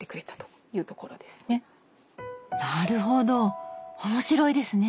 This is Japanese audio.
なるほど面白いですね！